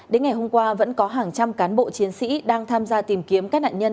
đến ngày hôm qua vẫn có hàng trăm cán bộ chiến sĩ đang tham gia tìm kiếm các nạn nhân